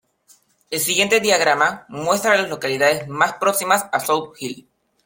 El siguiente diagrama muestra a las localidades más próximas a South Hill.